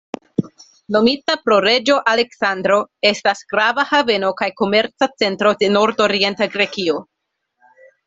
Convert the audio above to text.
Nomita pro Reĝo Aleksandro, estas grava haveno kaj komerca centro de nordorienta Grekio.